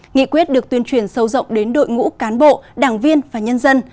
nghị quyết được tuyên truyền sâu rộng đến đội ngũ cán bộ đảng viên và nhân dân